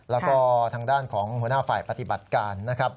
แล้วก็ทางด้านของหัวหน้าฝ่ายปฏิบัติการนะครับ